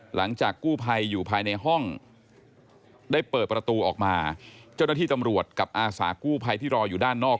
หลังจากกู้ภัยอยู่ภายในห้องได้เปิดประตูออกมาเจ้าหน้าที่ตำรวจกับอาสากู้ภัยที่รออยู่ด้านนอก